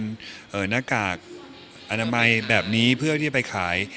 หน้ากากอนามัยแบบนี้เพื่อที่จะไปขาย